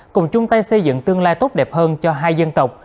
cùng chung tay xây dựng tương lai tốt đẹp hơn cho hai dân tộc